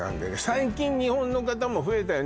最近日本の方も増えたよね